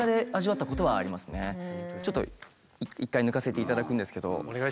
ちょっと一回抜かせていただくんですけど。